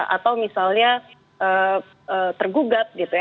atau misalnya tergugat gitu ya